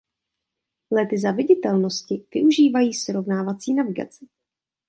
Lety za viditelnosti využívají srovnávací navigaci.